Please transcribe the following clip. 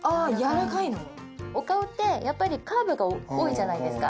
お顔ってやっぱりカーブが多いじゃないですか。